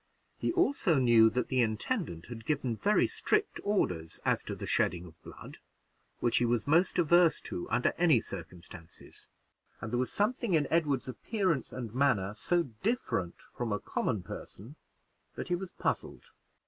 He also knew that the intendant had given very strict orders as to the shedding of blood, which he was most averse to, under any circumstances; and there was something in Edward's appearance and manner so different from a common person, that he was puzzled.